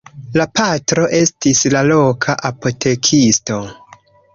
La patro estis la loka apotekisto.